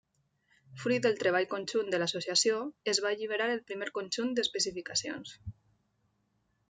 Fruit del treball conjunt de l'associació, es va alliberar el primer conjunt d'especificacions.